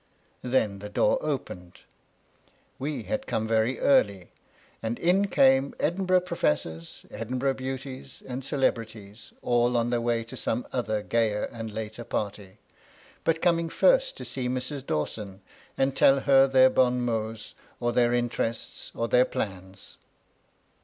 Then the door opened. We had come very early, and in came Edinburgh pro BOUND THE SOFA. 9 fessors, Edinburgh beauties, and celebrities, all on their way to some other gayer and later party, but coming first to see Mrs. Dawson, and tell her their hon mota^ or their interests, or their plans.